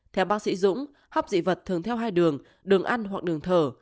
theo bác sĩ dũng hấp dị vật thường theo hai đường đường ăn hoặc đường thở